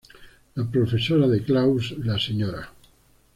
La profesora de Klaus, La Sra.